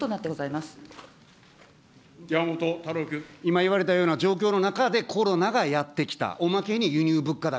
ま山本太郎君。今言われたような状況の中でコロナがやって来た、おまけに輸入物価高。